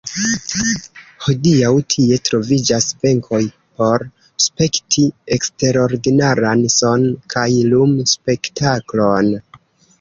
Hodiaŭ tie troviĝas benkoj por spekti eksterordinaran son- kaj lum-spektaklon.